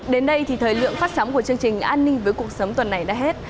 đến đây thì thời lượng phát sóng của chương trình an ninh với cuộc sống tuần này đã hết